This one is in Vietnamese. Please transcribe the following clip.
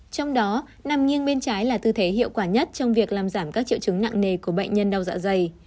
trong đó nằm nghiêng bên trái là tư thế hiệu quả nhất trong việc làm giảm các triệu chứng nặng nề của bệnh nhân đau dạ dày